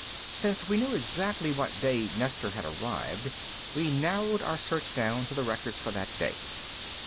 Since we knew exactly what day Nestor had arrived, we narrowed our search down to the records for that day.